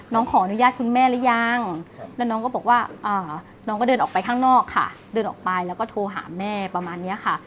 ขออนุญาตคุณแม่หรือยังแล้วน้องก็บอกว่าน้องก็เดินออกไปข้างนอกค่ะเดินออกไปแล้วก็โทรหาแม่ประมาณนี้ค่ะ